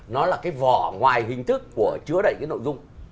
nó là cái vỏ ngoài hình thức của chứa đẩy cái nội dung